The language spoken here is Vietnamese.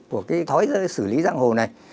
của cái thói xử lý giang hồ này